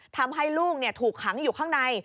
ทำให้ลูกถูกขังอยู่ข้างใน